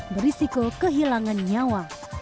berisiko kehilangan nyawa